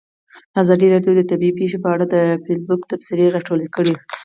ازادي راډیو د طبیعي پېښې په اړه د فیسبوک تبصرې راټولې کړي.